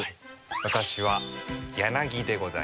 私はヤナギでございます。